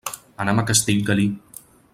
Anem a Castellgalí.